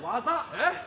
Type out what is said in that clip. えっ？